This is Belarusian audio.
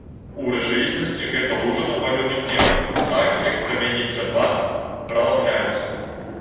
У рэчаіснасці гэта лужына малюнак неба, так як прамяні святла праламляюцца.